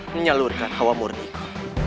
menyalurkan hawa murniku